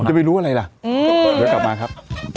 จะไปรู้อะไรล่ะเดี๋ยวกลับมาครับ